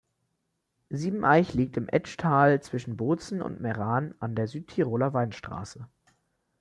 Siebeneich liegt im Etschtal zwischen Bozen und Meran an der Südtiroler Weinstraße.